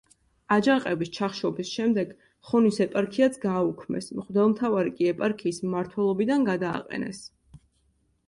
აჯანყების ჩახშობის შემდეგ ხონის ეპარქიაც გააუქმეს, მღვდელმთავარი კი ეპარქიის მმართველობიდან გადააყენეს.